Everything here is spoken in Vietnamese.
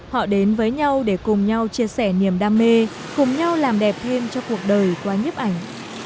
họ đến với nhau để cùng nhau chia sẻ niềm đam mê cùng nhau làm đẹp thêm cho cuộc đời qua nhiếp ảnh